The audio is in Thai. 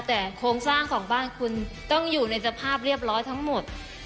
แต่โครงสร้างของบ้านคุณต้องอยู่ในสภาพเรียบร้อยทั้งหมด